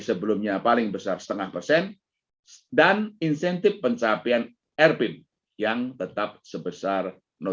sebelumnya paling besar setengah persen dan insentif pencapaian erpin yang tetap sebesar